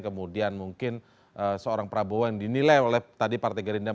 kemudian mungkin seorang prabowo yang dinilai oleh tadi partai gerindra